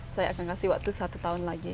saya akan kasih waktu satu tahun lagi